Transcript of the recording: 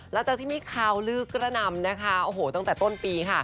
หลังจากที่มีข่าวลือกระนำนะคะโอ้โหตั้งแต่ต้นปีค่ะ